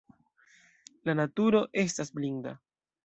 La naturo estas blinda.